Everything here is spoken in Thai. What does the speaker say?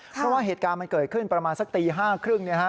เพราะว่าเหตุการณ์มันเกิดขึ้นประมาณสักตี๕๓๐เนี่ยฮะ